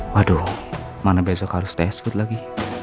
waduh mana besok harus test food lagi